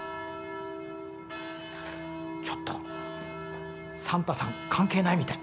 ちょっとサンタさんかんけいないみたい。